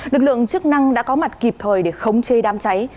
lực lượng chức năng đã có mặt kịp thời để khống chê đám cháy